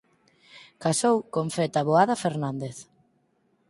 Casou con Fe Taboada Fernández.